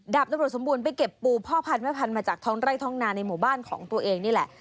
ตำรวจสมบูรณไปเก็บปูพ่อพันธแม่พันธุ์มาจากท้องไร่ท้องนาในหมู่บ้านของตัวเองนี่แหละ